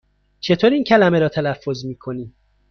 چطور این کلمه را تلفظ می کنی؟